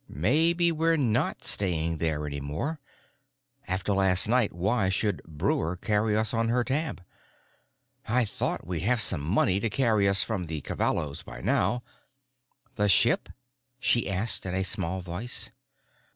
Maybe we're not staying there any more. After last night why should Breuer carry us on her tab? I thought we'd have some money to carry us from the Cavallos by now——" "The ship?" she asked in a small voice.